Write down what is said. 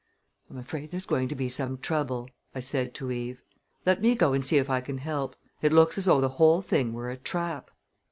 "I'm afraid there's going to be some trouble," I said to Eve. "Let me go and see if I can help. It looks as though the whole thing were a trap."